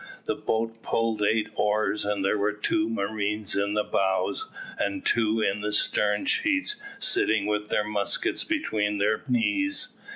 The boat pulled eight oars, and there were two marines in the bows, and two in the stern sheets, sitting with their muskets between their knees.